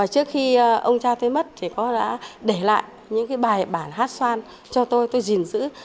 trước khi ông cha tôi mất thì cô đã để lại những cái bài bản hát xoan cho tôi tôi gìn giữ